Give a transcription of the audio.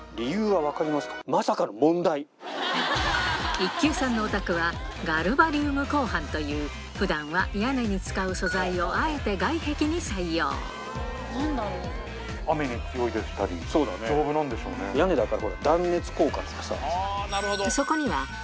一級さんのお宅はガルバリウム鋼板という普段は屋根に使う素材をあえて外壁に採用屋根だから。